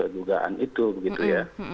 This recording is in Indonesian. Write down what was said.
dugaan itu begitu ya